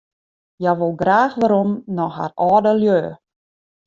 Hja wol graach werom nei har âldelju.